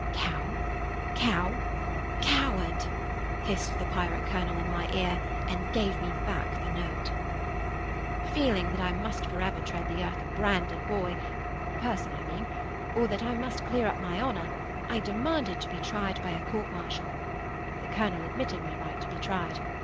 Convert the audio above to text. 'Cow—cow—coward,' hissed the pirate colonel in my ear, and gave me back the note. Feeling that I must for ever tread the earth a branded boy,—person I mean,—or that I must clear up my honour, I demanded to be tried by a court martial. The colonel admitted my right to be tried.